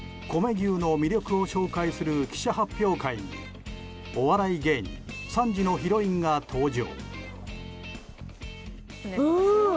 牛の魅力を紹介する記者発表会に、お笑い芸人３時のヒロインが登場。